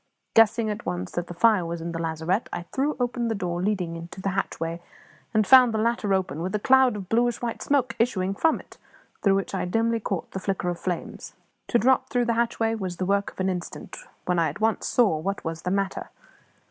Guessing at once that the fire was in the lazarette, I threw open the door leading to the hatchway, and found the latter open, with a cloud of bluish white smoke issuing from it, through which I dimly caught the flicker of flames. To drop through the hatchway was the work of an instant, when I at once saw what was the matter.